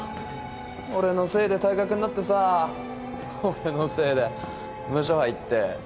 俺のせいで退学になってさ俺のせいでムショ入ってなあ。